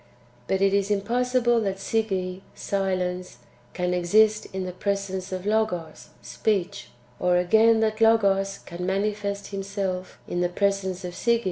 But it is impossible that Sige can exist in the presence of Logos (speech), or again, that Logos can manifest himself in the presence of Sige.